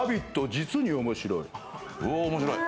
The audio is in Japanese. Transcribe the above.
実に面白い。